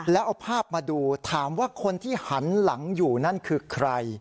แล้วเอาภาพมาดูถามว่าคนที่หันหลังอยู่นั่นคือใคร